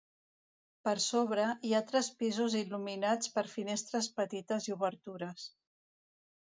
Per sobre, hi ha tres pisos il·luminats per finestres petites i obertures.